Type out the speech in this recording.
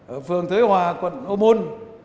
ở phường thế hòa quận ô môn